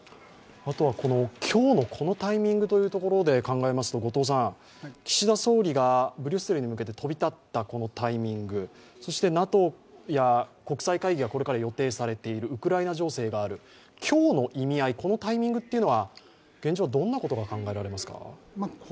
今日のこのタイミングというところで考えますと岸田総理がブリュッセルに向けて飛び立ったこのタイミング、そしてＮＡＴＯや国際会議がこれから予定されている、ウクライナ情勢がある、今日の意味合い、このタイミングは現状、どんなことが考えられますか？